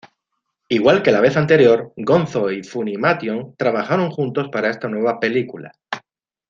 Igual que la vez anterior, Gonzo y Funimation trabajaron juntos para esta nueva película.